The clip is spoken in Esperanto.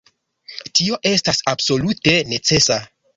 Tio estas absolute necesa!